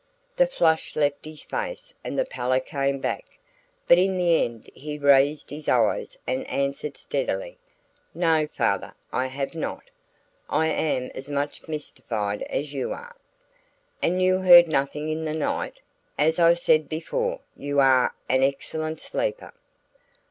The flush left his face and the pallor came back, but in the end he raised his eyes and answered steadily. "No, father, I have not. I am as much mystified as you are." "And you heard nothing in the night? As I said before, you are an excellent sleeper!"